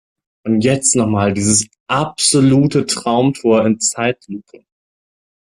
Und jetzt noch mal dieses absolute Traumtor in Zeitlupe!